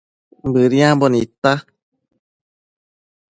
Bëdiambo nidta